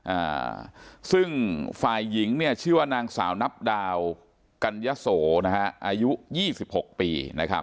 ผู้ตายเป็นสามีใหม่ซึ่งฝ่ายหญิงชื่อว่านางสาวนับดาวกัญญาโสอายุ๒๖ปี